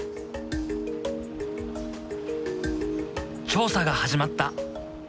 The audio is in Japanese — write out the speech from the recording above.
調査が始まった。